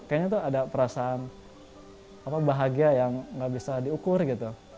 kayaknya tuh ada perasaan bahagia yang gak bisa diukur gitu